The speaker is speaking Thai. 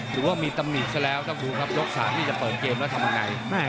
ถือว่ามีตำหนิซะแล้วต้องดูครับยก๓นี่จะเปิดเกมแล้วทำยังไง